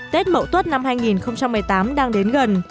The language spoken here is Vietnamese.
tết mậu tuất năm hai nghìn một mươi tám đang đến gần